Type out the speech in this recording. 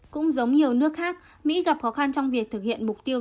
cũng giống nhiều nước khác mỹ gặp khó khăn trong việc thực hiện mục tiêu